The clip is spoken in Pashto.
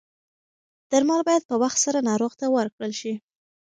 درمل باید په وخت سره ناروغ ته ورکړل شي.